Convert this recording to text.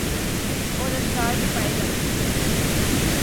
اور اشرار بھی پائے جاتے ہیں